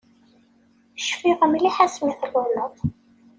Cfiɣ mliḥ asmi tluleḍ.